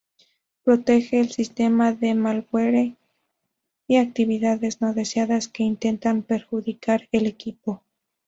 Protege el sistema de malware y actividades no deseadas que intentan perjudicar el equipo.